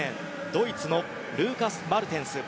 ドイツのルーカス・マルテンス。